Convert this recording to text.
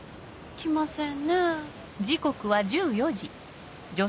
来ませんね。